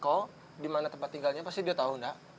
kalau di mana tempat tinggalnya pasti dia tahu enggak